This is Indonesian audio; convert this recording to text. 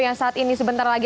yang saat ini sebentar lagi